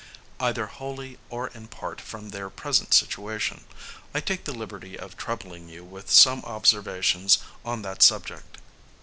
] either wholly or in part, from their present situation, I take the liberty of troubling you with some observations on that subject.